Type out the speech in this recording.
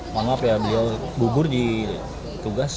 maaf ya beliau gugur di tugas